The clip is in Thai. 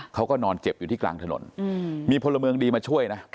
เขาก็นอนเจ็บอยู่ที่กลางถนนมีพลเมืองดีมาช่วยนะ